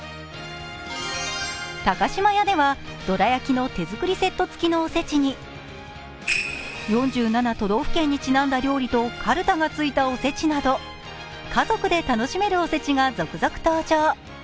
高島屋ではどら焼きの手作りセットつきのおせちに４７都道府県にちなんだ料理とかるたがついたおせちなど家族で楽しめるおせちが続々登場。